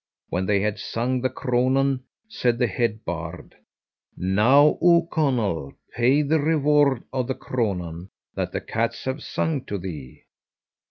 When they had sung the cronan, said the head bard, 'Now, O Conall, pay the reward of the cronan that the cats have sung to thee.'